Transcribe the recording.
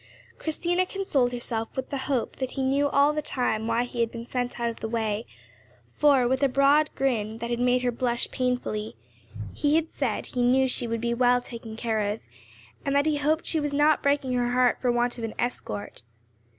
Christina consoled herself with the hope that he knew all the time why he had been sent out of the way, for, with a broad grin that had made her blush painfully, he had said he knew she would be well taken care of, and that he hoped she was not breaking her heart for want of an escort.